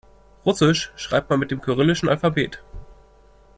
Russisch schreibt man mit dem kyrillischen Alphabet.